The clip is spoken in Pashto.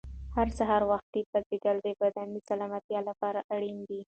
هر سهار وختي پاڅېدل د بدن د سلامتیا لپاره اړین دي.